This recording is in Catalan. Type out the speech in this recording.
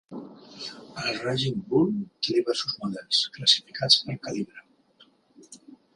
El Raging Bull té diversos models, classificats per calibre.